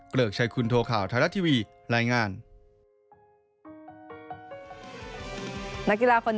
เกลือกใช้คุณโทรข่าวที่